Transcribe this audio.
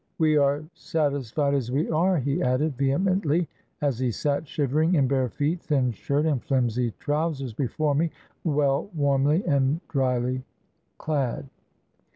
"We are satisfied as we are," he added vehemently, as he sat shivering in bare feet, thin shirt, and flimsy trousers before me, well, warmly, and dryly clad.